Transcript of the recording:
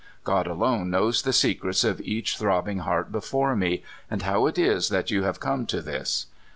God alone knows the secrets of each throbbing heart before me, and how it is that you have come to this.